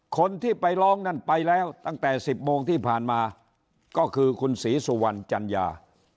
คนที่ไปร้องนั่นไปแล้วตั้งแต่๑๐โมงที่ผ่านมาก็คือคุณศรีสุวรรณจัญญา